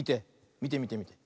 みてみてみて。